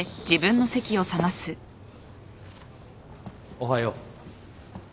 ・おはよう。